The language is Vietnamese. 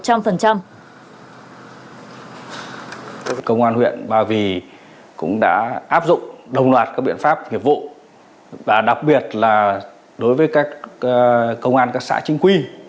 công an huyện ba vì cũng đã áp dụng đồng loạt các biện pháp nghiệp vụ và đặc biệt là đối với các công an các xã chính quy